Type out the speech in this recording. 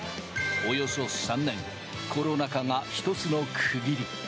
およそ３年、コロナ禍が一つの区切り。